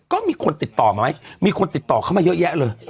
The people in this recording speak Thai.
ก็มีคนติดต่อไหมมีคนติดต่อเข้ามาเยอะแยะเลย